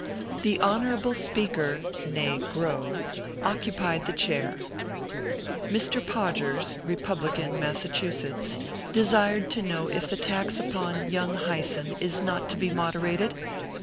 The " Honorable Speaker" (ne Grow) occupied the Chair. Mr. PODGERS (republican, Mass.) desired to know if the tax upon Young Hyson is not to be moderated?